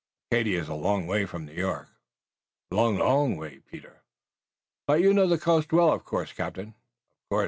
Acadia is a long way from New York." "A long, long way, Peter." "But you know the coast well, of course, captain?" "Of course.